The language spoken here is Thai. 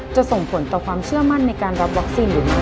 ส่งผลต่อความเชื่อมั่นในการรับวัคซีนหรือไม่